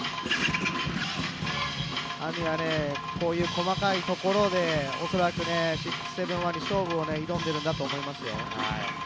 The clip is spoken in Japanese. ＡＭＩはこういう細かいところで恐らく６７１に、勝負を挑んでいるんだと思いますよ。